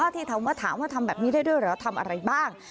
ที่ถามว่าทำแบบนี้ได้ด้วยเหรอทำอะไรบ้าง